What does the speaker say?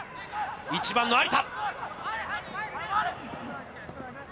１番の有田。